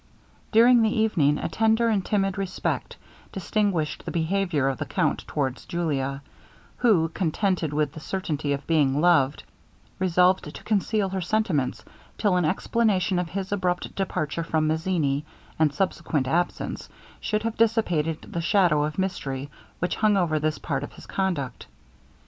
During the evening a tender and timid respect distinguished the behaviour of the count towards Julia, who, contented with the certainty of being loved, resolved to conceal her sentiments till an explanation of his abrupt departure from Mazzini, and subsequent absence, should have dissipated the shadow of mystery which hung over this part of his conduct.